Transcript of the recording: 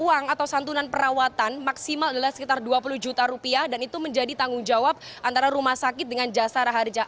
uang atau santunan perawatan maksimal adalah sekitar dua puluh juta rupiah dan itu menjadi tanggung jawab antara rumah sakit dengan jasara harja